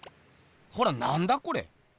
ほらなんだこれ？